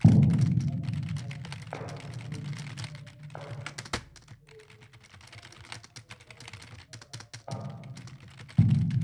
مرک انا لیک آن ہم ایپار زندہ مس تو اوہمو وڑ بندغ آتا راہشونی ءِ